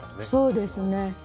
そうですね。